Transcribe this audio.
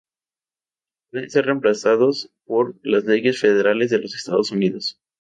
Pueden ser reemplazados por las leyes federales de los Estados Unidos.